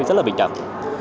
rất là bình đẳng